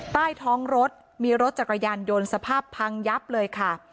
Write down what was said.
ใต้ท้องรถมีรถจักรยานยนต์สภาพพังยับเลยค่ะ